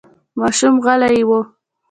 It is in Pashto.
ماشوم غلی و.